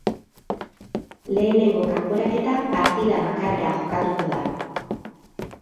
Lehenengo kanporaketa partida bakarrera jokatuko da.